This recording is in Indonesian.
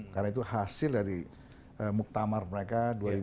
karena itu hasil dari muktamar mereka dua ribu dua belas